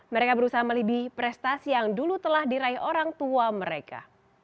mereka berusaha melibih prestasi yang dulu telah diraih orang tua mereka